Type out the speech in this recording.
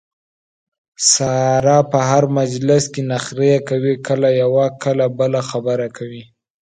ساره په هر مجلس کې نخرې کوي کله یوه کله بله خبره کوي.